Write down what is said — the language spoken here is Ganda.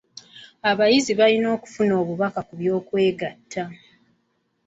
Abayizi bayina okufuna obubaka ku by'okwegatta.